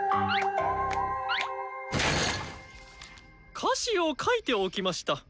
歌詞を書いておきました。